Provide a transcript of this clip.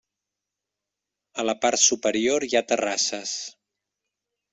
A la part superior hi ha terrasses.